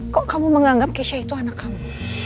kok kamu menganggap keishay itu anak kamu